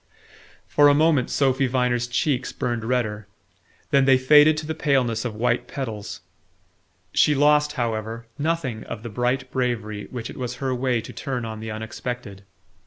For a moment Sophy Viner's cheeks burned redder; then they faded to the paleness of white petals. She lost, however, nothing of the bright bravery which it was her way to turn on the unexpected.